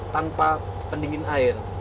tanpa pendingin air